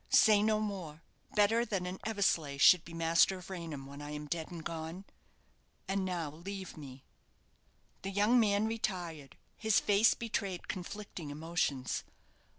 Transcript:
Say no more. Better that an Eversleigh should be master of Raynham when I am dead and gone. And now leave me." The young man retired. His face betrayed conflicting emotions.